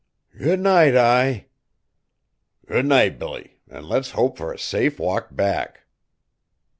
"Good night, Ai." "Good night, Billy, an' let's hope fur a safe walk back."